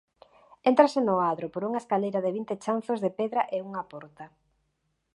Éntrase no adro por unha escaleira de vinte chanzos de pedra e unha porta.